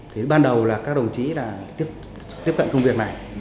thì ban đầu là các đồng chí là tiếp cận công việc này